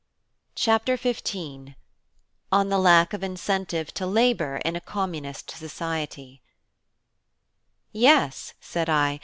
CHAPTER XV: ON THE LACK OF INCENTIVE TO LABOUR IN A COMMUNIST SOCIETY "Yes," said I.